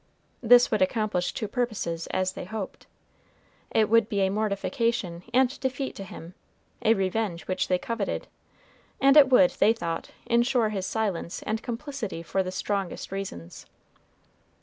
This would accomplish two purposes, as they hoped, it would be a mortification and defeat to him, a revenge which they coveted; and it would, they thought, insure his silence and complicity for the strongest reasons.